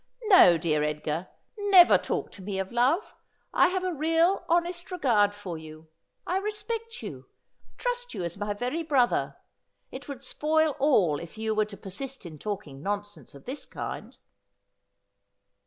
No, dear Edgar, never talk to me of love. I have a real honest regard for you. I respect you. I trust you as my very brother. It would spoil all if you were to persist in talking nonsense of this kind.'